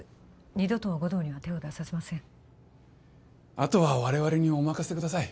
二度と護道には手を出させませんあとは我々にお任せください